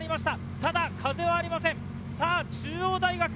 ただ風はありません。